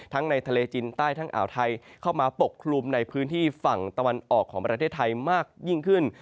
ในทะเลจินใต้ทั้งอ่าวไทยเข้ามาปกคลุมในพื้นที่ฝั่งตะวันออกของประเทศไทยมากยิ่งขึ้น